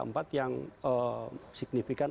empat yang signifikan